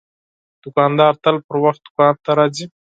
دوکاندار تل پر وخت دوکان ته راځي.